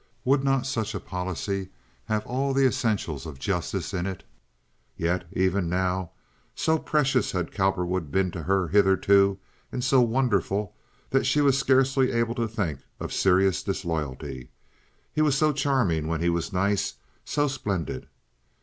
Would not such a policy have all the essentials of justice in it? Yet even now, so precious had Cowperwood been to her hitherto, and so wonderful, that she was scarcely able to think of serious disloyalty. He was so charming when he was nice—so splendid.